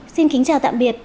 xin kính chào tạm biệt